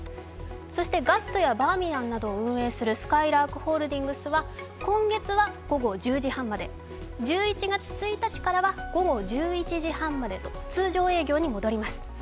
ガストやバーミヤンなどを運営するすかいらーくホールディングスは今月は午後１０時半まで、１１月１日からは午後１１時半までと通常営業に戻ります。